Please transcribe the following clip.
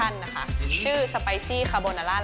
เอาล่ะเดินทางมาถึงในช่วงไฮไลท์ของตลอดกินในวันนี้แล้วนะครับ